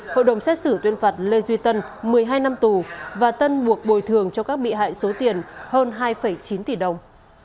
hội đồng xét xử tuyên phạt lê duy tân một mươi hai năm tù và tân buộc bồi thường cho các bị hại số tiền hơn hai chín tỷ đồng